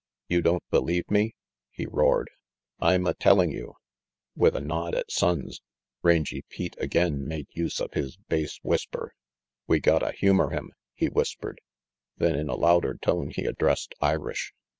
"You don't believe me?" he roared. "I'm a telling you " With a nod at Sonnes, Rangy Pete again made use of his bass whisper. "We gotta humor him," he whispered; then in a louder tone he addressed Irish.